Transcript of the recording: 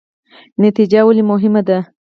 نتیجه ولې مهمه ده؟